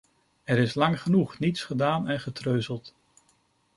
Er is lang genoeg niets gedaan en getreuzeld.